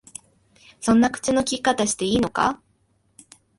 そんな口の利き方していいのか？